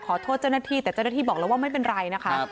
ขอโทษเจ้าหน้าที่แต่เจ้าหน้าที่บอกแล้วว่าไม่เป็นไรนะคะ